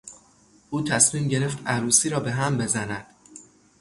او تصمیم گرفت عروسی را بهم بزند.